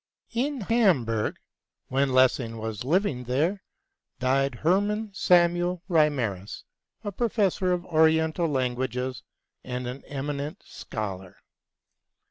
In Hamburg, when Lessing was living there, died Hermann Samuel Reimarus, a professor of Oriental languages and an eminent scholar.